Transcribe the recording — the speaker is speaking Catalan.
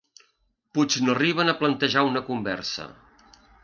Puig no arriben a plantejar una conversa.